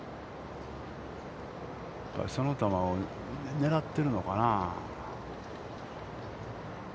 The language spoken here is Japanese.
その球を狙っているのかな。